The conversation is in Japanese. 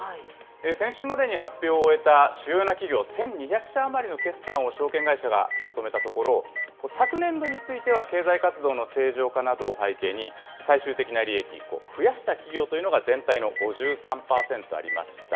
先週までに発表を終えた主要な企業１２００社余りの決算を証券会社がまとめたところ、昨年度については、経済活動の正常化などを背景に、最終的な利益、増やした企業というのが全体の５３％ありました。